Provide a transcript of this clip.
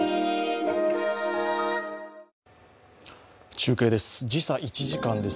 中継です。